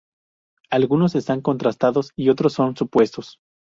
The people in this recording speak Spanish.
Algunos están contrastados y otros son supuestos.